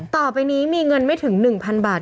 ต่อไปนี้มีเงินไม่ถึง๑๐๐๐บาท